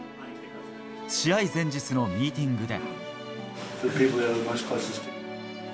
試合前日のミーティングで。